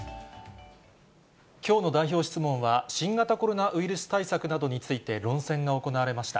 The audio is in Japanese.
きょうの代表質問は、新型コロナウイルス対策などについて論戦が行われました。